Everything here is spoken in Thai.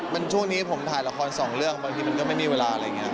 มันช่วงนี้ผมถ่ายละครสองเรื่องบางทีมันก็ไม่มีเวลาอะไรอย่างนี้